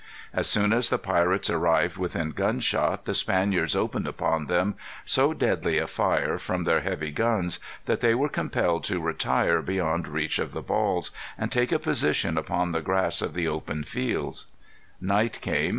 As soon as the pirates arrived within gun shot the Spaniards opened upon them so deadly a fire from their heavy guns, that they were compelled to retire beyond reach of the balls, and take a position upon the grass of the open fields. Night came.